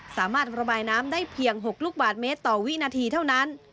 สามารถระบายน้ำได้เพียง๖ลูกบาทเมตรต่อวินาทีเท่านั้น